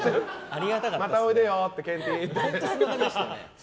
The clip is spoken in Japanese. またおいでよ、ケンティーって。